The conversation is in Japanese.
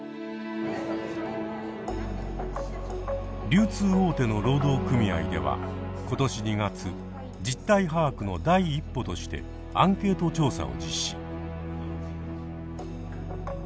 流通大手の労働組合では今年２月実態把握の第一歩としてアンケート調査を実施。